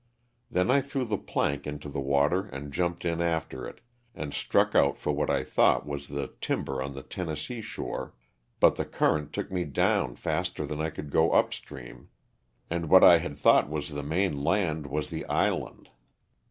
Then I threw the plank into the water and jumped in after it and struck out for what I thought was the timber on the Tennessee shore, but the current took me down faster than I could go up stream, and what I had thought was the main land was the island.